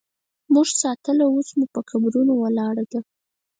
مونږ ساتله اوس مو په قبرو ولاړه ده